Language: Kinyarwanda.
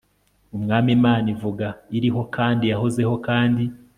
umwami imana ivuga iriho kandi yahozeho kandi